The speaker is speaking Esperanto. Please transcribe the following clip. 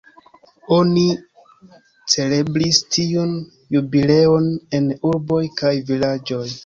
Oni celebris tiun jubileon en urboj kaj vilaĝoj.